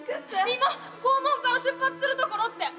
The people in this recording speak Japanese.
今校門から出発するところって！